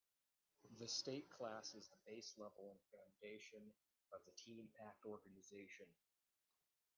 The State Class is the base level and foundation of the TeenPact organization.